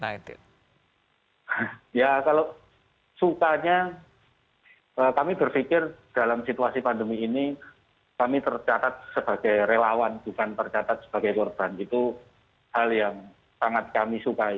ya kalau sukanya kami berpikir dalam situasi pandemi ini kami tercatat sebagai relawan bukan tercatat sebagai korban itu hal yang sangat kami sukai